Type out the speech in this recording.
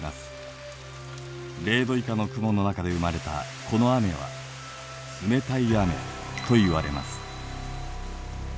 ０度以下の雲の中で生まれたこの雨は冷たい雨といわれます。